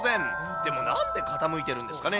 でもなんで傾いているんですかね。